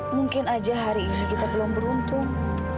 mungkin aja hari ini kita belum beruntung